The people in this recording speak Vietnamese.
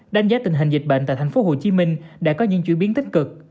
đánh giá tình hình dịch bệnh tại thành phố hồ chí minh đã có những chuyển biến tích cực